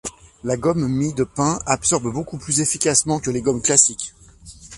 La gomme mie de pain absorbe beaucoup plus efficacement que les gommes classiques.